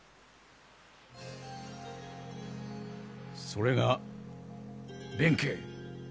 それが弁慶。